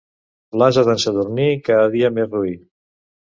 L'ase d'en Sadurní, cada dia més roí.